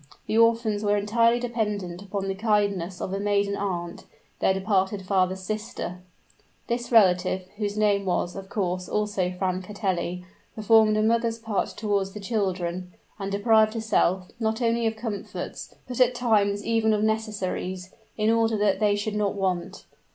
The orphans were entirely dependent upon the kindness of a maiden aunt their departed father's sister. This relative, whose name was, of course, also Francatelli, performed a mother's part toward the children: and deprived herself, not only of comforts, but at times even of necessaries, in order that they should not want.